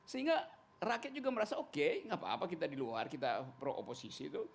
sehingga rakyat juga merasa oke nggak apa apa kita di luar kita pro oposisi itu